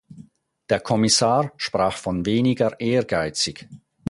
Der Kommissar sprach von "weniger ehrgeizig".